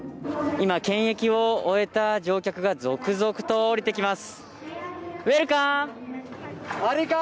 今、検疫を終えた乗客が続々と降りてきます。